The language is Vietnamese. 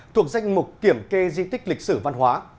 thuộc danh mục kiểm kê di tích lịch sử văn hóa